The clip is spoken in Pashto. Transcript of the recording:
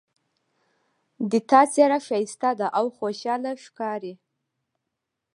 د تا څېره ښایسته ده او خوشحاله ښکاري